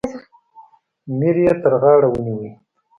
میر یې تر غاړه ونیوی.